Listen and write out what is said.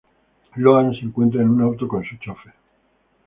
Lohan se encuentra en un auto con su chófer.